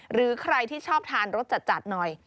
หรือใครที่ชอบทานรสจัดหน่อย